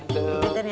tunggu ntar ya